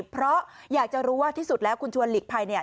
เพราะอยากจะรู้ว่าที่สุดแล้วคุณชวนหลีกภัย